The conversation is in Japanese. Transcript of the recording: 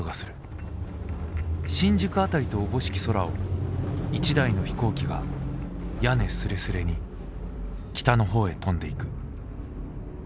新宿当たりとおぼしき空を一台の飛行機が屋根すれすれに北の方へ飛んで行く」。